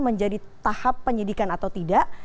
menjadi tahap penyidikan atau tidak